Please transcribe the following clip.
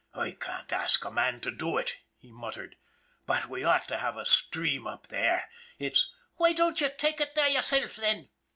" I can't ask a man to do it," he muttered ;" but we ought to have a stream up there, it's " "Why don't you take it there yourself, then?"